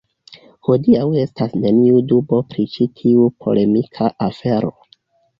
Hodiaŭ estas neniu dubo pri ĉi tiu polemika afero.